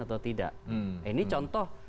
atau tidak ini contoh